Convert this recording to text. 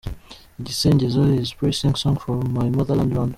Igisingizo is a praising song for my motherland ,Rwanda.